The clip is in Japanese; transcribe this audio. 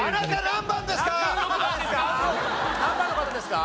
何番の方ですか？